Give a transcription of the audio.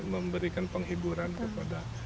memberikan penghiburan kepada